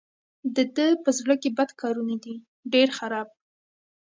د ده په زړه کې بد کارونه دي ډېر خراب.